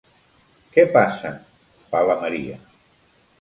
Què passa? –fa la Maria.